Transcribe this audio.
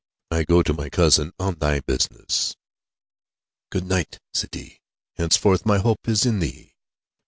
I go to my cousin, on thy business." "Good night, Sidi. Henceforth my hope is in thee."